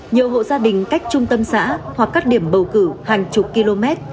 nhiều hộ gia đình cách trung tâm xã hoặc các điểm bầu cử hàng chục km